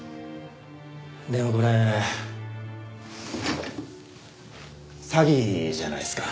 でもこれ詐欺じゃないですか？